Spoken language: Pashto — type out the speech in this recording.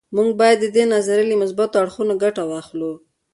موږ باید د دې نظریې له مثبتو اړخونو ګټه واخلو